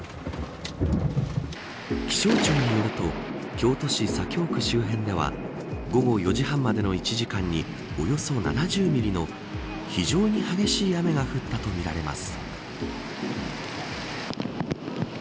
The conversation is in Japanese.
気象庁によると京都市左京区周辺では午後４時半までの１時間におよそ７０ミリの非常に激しい雨が降ったとみられます。